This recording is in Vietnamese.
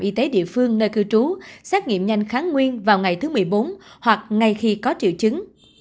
y tế địa phương nơi cư trú xét nghiệm nhanh kháng nguyên vào ngày thứ một mươi bốn hoặc ngay khi có triệu chứng